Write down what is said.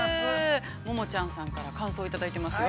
モモちゃんさんから、感想をいただいていますよ。